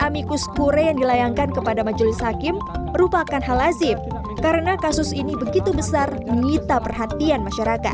khairul huda juga menegaskan amicus kure yang dilayangkan kepada majulis hakim rupakan hal lazyip karena kasus ini begitu besar milita perhatian masyarakat